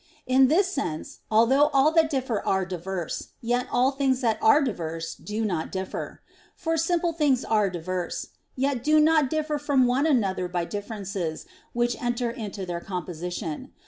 In this sense, although all that differ are diverse, yet all things that are diverse do not differ. For simple things are diverse; yet do not differ from one another by differences which enter into their composition.